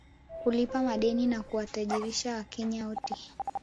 kulipa madeni na kuwatajirisha wakenya wote